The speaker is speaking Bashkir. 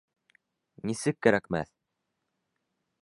Нисек кәрәкмәҫ?